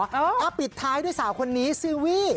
ก็ปิดท้ายด้วยสาวคนนี้ซีลวร์ลี